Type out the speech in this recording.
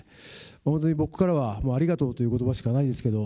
本当に僕からはありがとうということばしかないですけど。